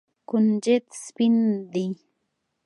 کنجد سپین دي.